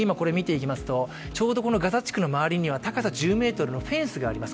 今、ちょうどガザ地区の周りには高さ１０ｍのフェンスがあります。